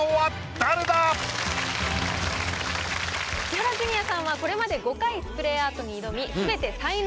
千原ジュニアさんはこれまで５回スプレーアートに挑み。